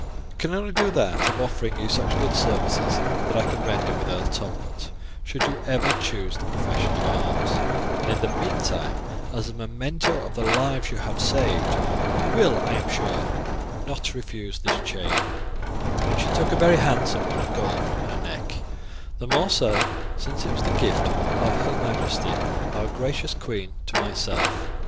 It can only do that of offering you such good services that I can render with Earl Talbot, should you ever choose the profession of arms; and in the meantime, as a memento of the lives you have saved, you will, I am sure, not refuse this chain," and she took a very handsome one of gold from her neck; "the more so since it was the gift of her majesty, our gracious queen to myself.